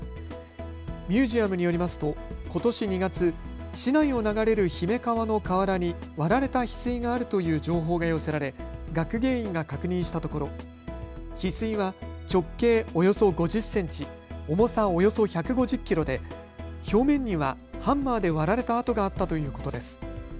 ミュージアムによりますとことし２月、市内を流れる姫川の河原に割られたヒスイがあるという情報が寄せられ学芸員が確認したところヒスイは直径およそ５０センチ、重さおよそ１５０キロで表面にはハンマーで割られた跡があったということです。